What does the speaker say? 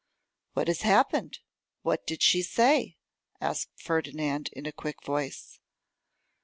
'What has happened? what did she say?' asked Ferdinand in a quick voice.